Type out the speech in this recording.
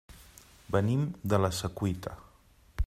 Venim de la Secuita.